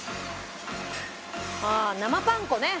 ああ生パン粉ね。